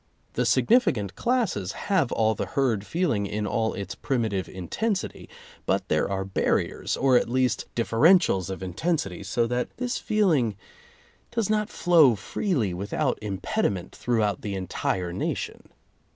The significant classes have all the herd feeling in all its primitive intensity, but there are barriers, or at least differentials of intensity, so that this feeling does not flow freely without impediment throughout the entire nation.